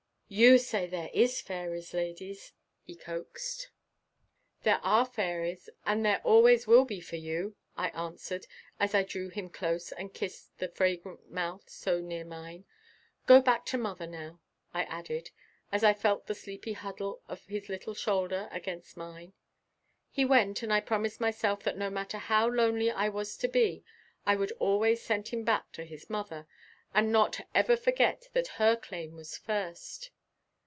"You say they is fairies, Lady," he coaxed. "There are fairies and there always will be for you," I answered, as I drew him close and kissed the fragrant mouth so near mine. "Go back to mother now," I added, as I felt the sleepy huddle of his little shoulder against mine. He went and I promised myself that no matter how lonely I was to be I would always send him back to his mother and not ever forget that her claim was first.